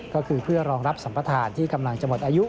ก็คือเพื่อรองรับสัมปทานที่กำลังจะหมดอายุ